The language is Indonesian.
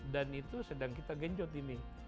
dan itu sedang kita genjot ini